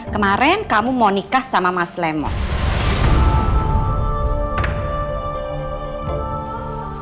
kemarin kamu mau nikah sama mas lemos